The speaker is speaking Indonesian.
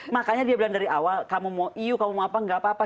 makanya dia bilang dari awal kamu mau eu kamu mau apa enggak apa apa